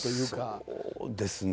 そうですね。